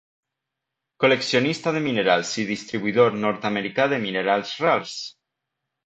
Col·leccionista de minerals i distribuïdor nord-americà de minerals rars.